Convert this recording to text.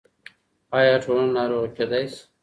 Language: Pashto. آيا ټولنه ناروغه کيدای سي؟